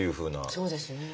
そうですね。